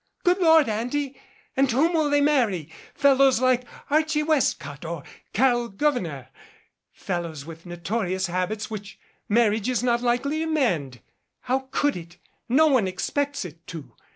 Good Lord, Auntie ! And whom will they marry? Fellows like Archie Westcott or Carol Gouverneur, fellows with notorious habits which marriage is not likely to mend. How could it? No one expects it to.